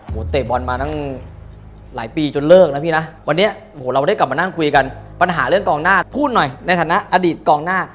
โอ้โหเตะบอลมาตั้งหลายปีจนเลิกนะพี่นะวันนี้โอ้โหเราได้กลับมานั่งคุยกันปัญหาเรื่องกองหน้าพูดหน่อยในฐานะอดีตกองหน้า